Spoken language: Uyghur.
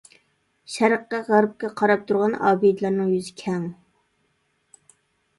شەرققە، غەربكە قاراپ تۇرغان ئابىدىلەرنىڭ يۈزى كەڭ.